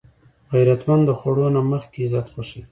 غیرتمند د خوړو نه مخکې عزت خوښوي